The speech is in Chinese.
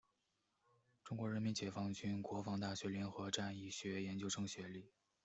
中国人民解放军国防大学联合战役学研究生学历。